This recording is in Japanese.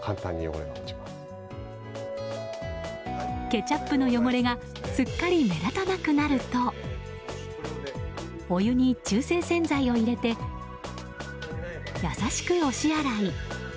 ケチャップの汚れがすっかり目立たなくなるとお湯に中性洗剤を入れて優しく押し洗い。